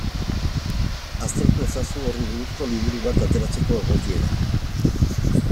Aztertu ezazu horri buruzko liburu bat ateratzeko egokiera.